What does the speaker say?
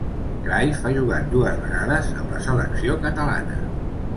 Cruyff ha jugat dues vegades amb la selecció catalana.